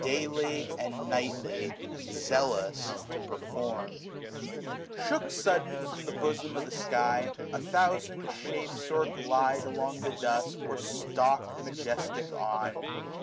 Daily, and nightly, zealous to perform. fo SUMMER^ Shook sudden from the bosom of the sky^ A thousand shapes or g}ide. along the dusk» Or stalk majestic on.